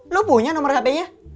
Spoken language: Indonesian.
lo punya nomor hp nya